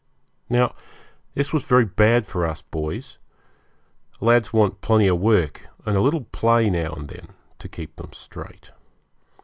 Now this was very bad for us boys. Lads want plenty of work, and a little play now and then to keep them straight.